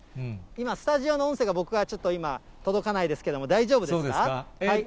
今、スタジオの音声が、僕にはちょっと届かないですけれども、大丈夫ですか？